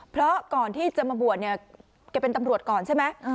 เพราะก่อนที่จะมาบวชเนี่ยแกเป็นตำรวจก่อนใช่ไหม